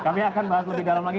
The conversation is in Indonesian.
kami akan bahas lebih dalam lagi